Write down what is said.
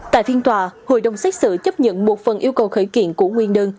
tại phiên tòa hội đồng xét xử chấp nhận một phần yêu cầu khởi kiện của nguyên đơn